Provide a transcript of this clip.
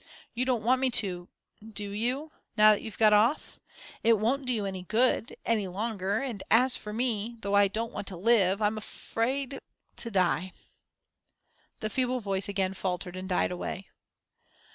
"You don't want me to do you? now that you've got off. It won't do you any good any longer, and as for me, though I don't want to live, I'm afraid to die." The feeble voice again faltered and died away.